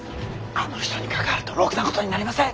あの人に関わるとろくなことになりません！